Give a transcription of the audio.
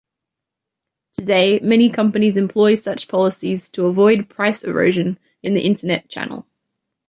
Today, many companies employ such policies to avoid price erosion in the internet channel.